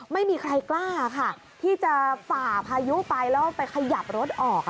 ไม่มีใครกล้าค่ะที่จะฝ่าพายุไปแล้วไปขยับรถออก